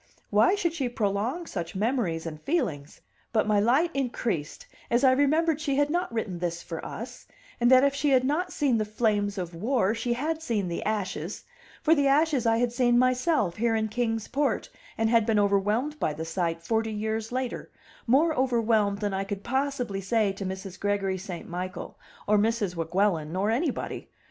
Why should she prolong such memories and feelings? But my light increased as I remembered she had not written this for us, and that if she had not seen the flames of war, she had seen the ashes; for the ashes I had seen myself here in Kings Port, and had been overwhelmed by the sight, forty years later, more overwhelmed than I could possibly say to Mrs. Gregory St. Michael, or Mrs. Weguelin, or anybody.